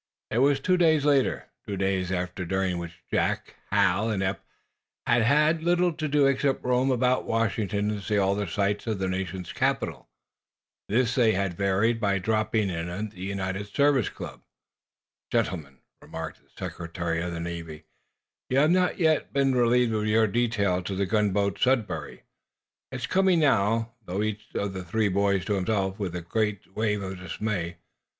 It was two days later; two days during which Jack, Hal and Eph had had little to do except roam about Washington and see all the sights of the National Capital. This they had varied by dropping in at the United Service Club. "Gentlemen," remarked the Secretary of the Navy, "you have not yet been relieved of your detail to the gunboat 'Sudbury.'" "It's coming now," thought each of the three boys to himself, with a great wave of dismay.